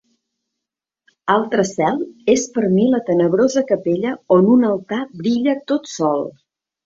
Altre cel és per mi la tenebrosa capella on un altar brilla tot sol.